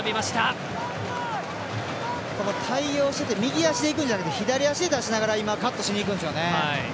対応してて右足じゃなくて左足で出しながらカットしに行くんですよね。